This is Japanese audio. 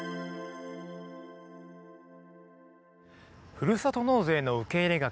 ふるさと納税の受け入れ額